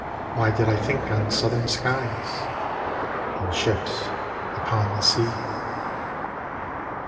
Why did I think on Southern skies And ships upon the sea?